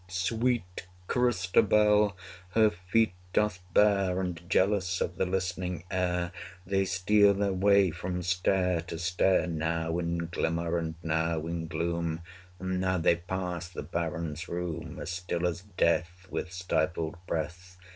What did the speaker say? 165 Sweet Christabel her feet doth bare, And jealous of the listening air They steal their way from stair to stair, Now in glimmer, and now in gloom, And now they pass the Baron's room, 170 As still as death, with stifled breath!